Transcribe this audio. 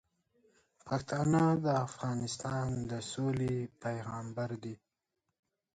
پښتانه د افغانستان د سولې پیغامبر دي.